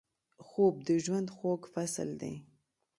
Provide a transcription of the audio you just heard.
خوب د ژوند خوږ فصل دی